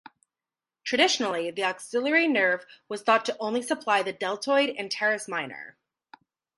Traditionally, the axillary nerve was thought to only supply the deltoid and teres minor.